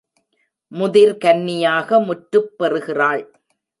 முதிர் கன்னியாக முற்றுப் பெறுகிறாள்.